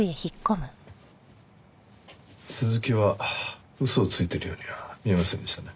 鈴木は嘘をついてるようには見えませんでしたね。